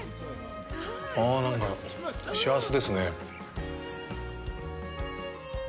ああ、なんか、幸せですねぇ。